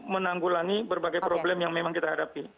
menanggulangi berbagai problem yang memang kita hadapi